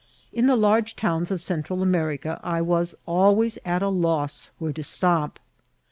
In the large towns of Central America I was always at a loss where to stop.